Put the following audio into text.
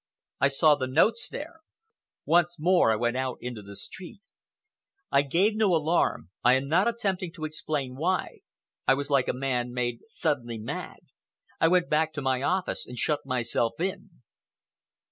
I saw the notes there. Once more I went out into the street. I gave no alarm,—I am not attempting to explain why. I was like a man made suddenly mad. I went back to my office and shut myself in."